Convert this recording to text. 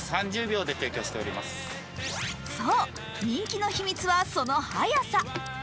人気の秘密はその早さ。